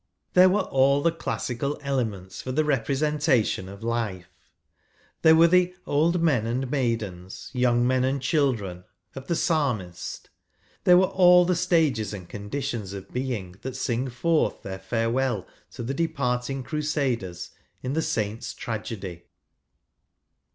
There were all the classical elements for the representa¬ tion of life ; there were the " Old men and maidens, young men and children" of the Psalmist; there were all the stages and conditions of being that sing forth their farewell to the departing crusiidez*s in the |" Saint's Tragedy."